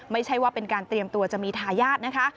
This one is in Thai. ไม่ใช่ว่าเป็นการเตรียมตัวจะมีทายาทนะคะ